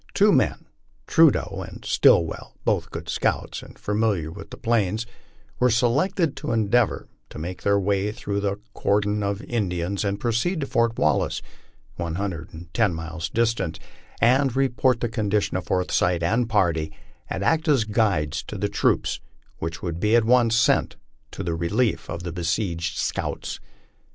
Two men, Trudeau and Stillvvell, both good scouts, and familiar with the Plains, were selected to endeavor to make their way through the cordon of In dians and proceed to Fort Wallace, one hundred and ten miles distant, and re port the condition of Forsyth and party, and act as guides to the troops which would be at once sent to the relief of the besieged scouts.